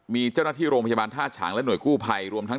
มีเจ้าหน้าที่โรงพยาบาลท่าฉางและห่วยกู้ภัยรวมทั้ง